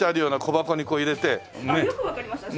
あっよくわかりましたね。